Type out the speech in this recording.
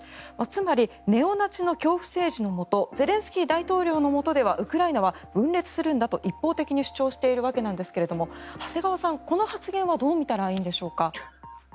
つまりネオナチの恐怖政治のもとゼレンスキー大統領のもとではウクライナは分裂するんだと一方的に主張しているわけなんですが長谷川さん、この発言はどう見たらいいんでしょうか。